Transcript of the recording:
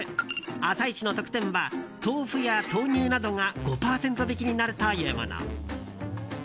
朝市の特典は、豆腐や豆乳などが５％引きになるというもの。